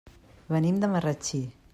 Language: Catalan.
Venim de Marratxí.